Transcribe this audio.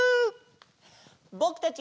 ぼくたち！